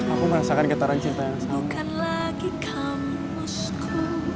aku merasakan getaran cinta yang sama